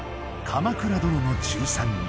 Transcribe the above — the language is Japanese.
「鎌倉殿の１３人」。